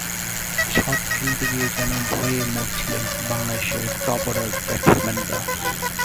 Shot খেলতে গিয়ে যেন ভয়ে মরছিলেন বাংলাদেশ দলের টপ অর্ডার ব্যাটসম্যানরা।